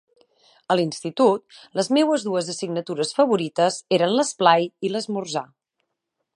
A l'institut, les meues dues assignatures favorites eren l'esplai i l'esmorzar.